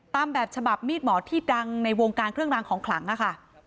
ตามแบบฉบับมีดหมอที่ดังในวงการเครื่องรางของขลังอะค่ะ